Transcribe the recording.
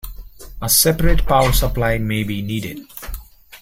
A separate power supply may be needed.